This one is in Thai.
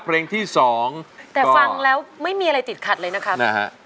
เพลงที่สองแต่ฟังแล้วไม่มีอะไรติดขัดเลยนะครับนะฮะ